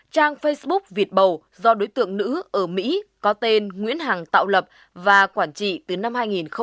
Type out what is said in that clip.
trang facebook việt bầu do đối tượng nữ ở mỹ có tên nguyễn hằng tạo lập và quản trị từ năm hai nghìn một mươi năm